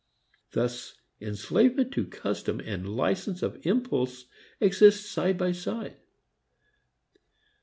Thus enslavement to custom and license of impulse exist side by side.